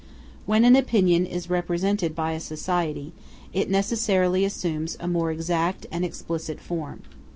When an opinion is represented by a society, it necessarily assumes a more exact and explicit form.